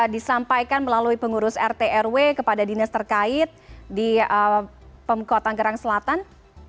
disampaikan melalui pengurus rt rw kepada dinas terkait di pemkota gerang selatan